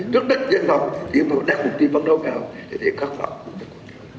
trước đảng trước đảng trước đảng trước đảng đặt mục tiêu phân đấu cao thì các bộ cũng đặt mục tiêu